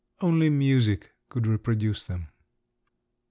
Only music could reproduce them.